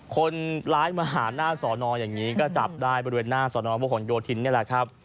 คนร้ายมาหาหน้าสอนออย่างนี้ก็จับได้บริเวณหน้าสอนอพหลโยธินนี่แหละครับ